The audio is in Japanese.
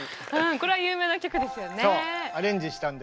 これは有名な曲ですよね。